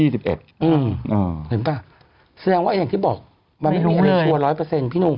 แสดงว่าอย่างที่บอกมันไม่มีอะไรชัวร์๑๐๐พี่หนู